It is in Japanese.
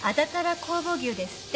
酵母牛ですって。